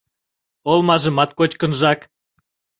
Олмажымат кочкынжак